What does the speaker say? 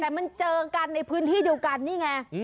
แต่มันเจอกันในพื้นที่เดียวกันนี่ไง